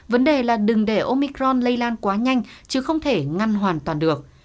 vấn đề là đừng để omicron lây lan quá nhanh chứ không thể ngăn hoàn toàn được